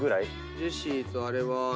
ジェシーとあれは。